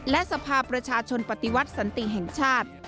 และสภาประชาชนปฏิวัติสันติแห่งชาติ